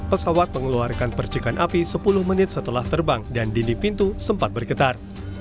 pesawat mengeluarkan percikan api sepuluh menit setelah terbang dan dinding pintu sempat bergetar